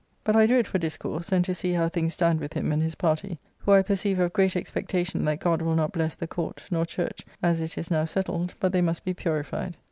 But I do it for discourse, and to see how things stand with him and his party; who I perceive have great expectation that God will not bless the Court nor Church, as it is now settled, but they must be purified.